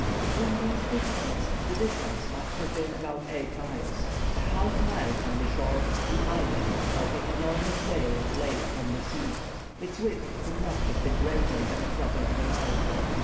Between these two points, the distance must have been about eight miles. A half mile from the shore the island, like an enormous whale, lay upon the sea. Its width could not have been greater than a quarter of a mile.